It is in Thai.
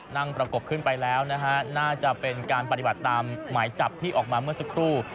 ประกบขึ้นไปแล้วนะฮะน่าจะเป็นการปฏิบัติตามหมายจับที่ออกมาเมื่อสักครู่